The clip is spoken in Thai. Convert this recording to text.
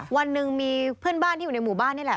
วันหนึ่งมีเพื่อนบ้านที่อยู่ในหมู่บ้านนี่แหละ